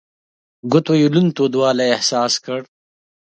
ګوتو يې لوند تودوالی احساس کړ.